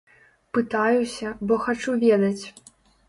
Пытаюся, бо хачу ведаць.